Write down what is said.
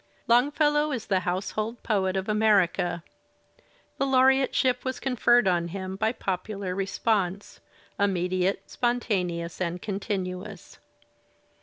'' Longfellow is the household poet of America; the laureate ship was conferred on him by popular response, immediate, spontaneous and continuous.